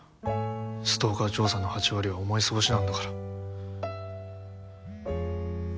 ストーカー調査の８割は思い過ごしなんだから。